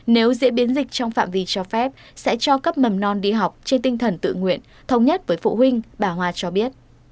nếu diễn biến dịch trong phạm vi cho phép sẽ cho cấp mầm non đi học trên tinh thần tự nguyện thống nhất với phụ huynh bà hòa cho biết